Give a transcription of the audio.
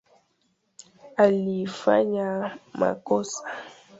Alifanya makosa